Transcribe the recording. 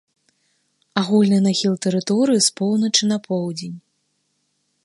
Агульны нахіл тэрыторыі з поўначы на поўдзень.